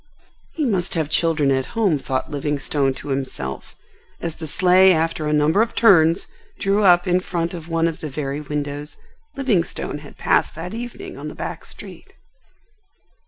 He must have children at home, thought Livingstone to himself as the sleigh after a number of turns drew up in front of one of the very windows Livingstone had passed that evening on the back street.